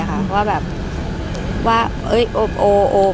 ภาษาสนิทยาลัยสุดท้าย